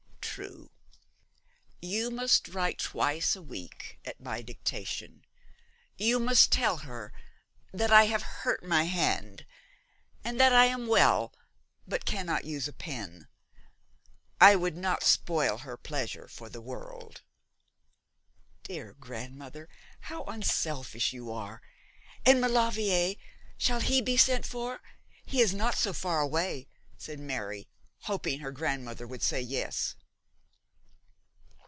'True. You must write twice a week at my dictation. You must tell her that I have hurt my hand, that I am well but cannot use a pen. I would not spoil her pleasure for the world.' 'Dear grandmother, how unselfish you are! And Maulevrier, shall he be sent for? He is not so far away,' said Mary, hoping her grandmother would say yes.